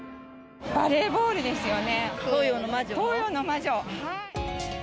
バレーボールですよね。